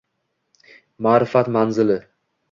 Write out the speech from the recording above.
Ma’rifat manzili